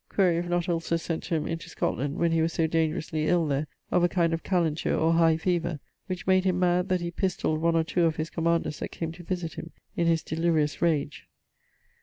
Quaere if not also sent to him into Scotland, when he was so dangerously ill there of a kind of calenture or high fever, which made him mad that he pistolled one or two of his commanders that came to visit him in his delirious rage.